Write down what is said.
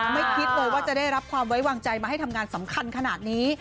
คิดเลยว่าจะได้รับความไว้วางใจมาให้ทำงานสำคัญขนาดนี้